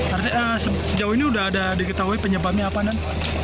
artinya sejauh ini sudah ada diketahui penyebabnya apa nan